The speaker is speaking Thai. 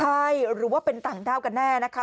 ใช่หรือว่าเป็นต่างด้าวกันแน่นะคะ